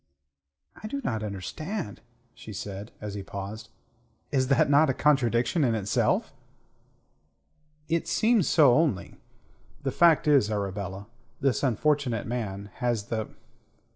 "I do not understand," she said, as he paused. "Is not that a contradiction in itself?" "It seems so only. The fact is, Arabella, this unfortunate man has the...